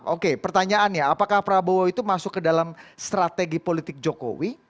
oke pertanyaannya apakah prabowo itu masuk ke dalam strategi politik jokowi